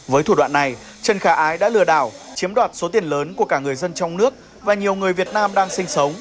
với thủ đoạn này trần khả ái đã lừa đảo chiếm đoạt số tiền lớn của cả người dân trong nước và nhiều người việt nam đang sinh sống